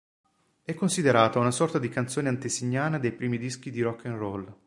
È considerata una sorta di canzone antesignana dei primi dischi di rock and roll.